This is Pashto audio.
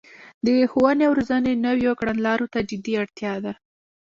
د ښوونې او روزنې نويو کړنلارو ته جدي اړتیا ده